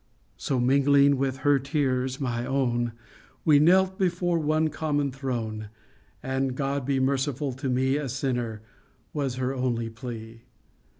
So, mingling with her tears my own, We knelt before one common throne And, " God be merciful to me, A sinner !" was her only plea.